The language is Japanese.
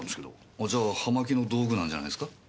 あじゃあ葉巻の道具なんじゃないですか？